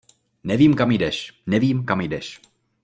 Nevím, kam jdeš, nevím, kam jdeš.